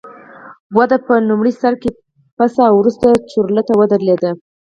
وده په لومړي سر کې پڅه او وروسته چورلټ ودرېده